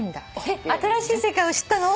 えっ新しい世界を知ったの？